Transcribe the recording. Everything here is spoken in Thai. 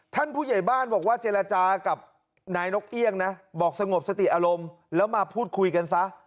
ผู้ใหญ่บ้านบอกว่าเจรจากับนายนกเอี่ยงนะบอกสงบสติอารมณ์แล้วมาพูดคุยกันซะ